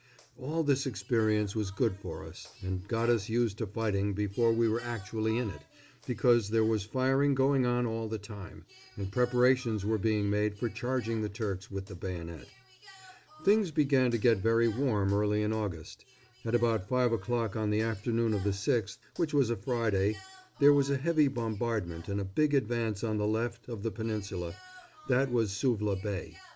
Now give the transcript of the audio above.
All this experience was good for us, and got us used to fighting before we were actually in it, because there was firing going on all the time, and preparations were being made for charging the Turks with the bayonet. Things began to get very warm early in August. At about five o'clock on the afternoon of the 6th, which was a Friday, there was a heavy bombardment and a big advance on the left of the Peninsula that was Suvla Bay.